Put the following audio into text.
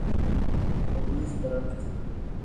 Police corrupt تھی۔